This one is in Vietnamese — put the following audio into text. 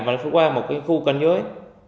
và qua một cái khu canh dưới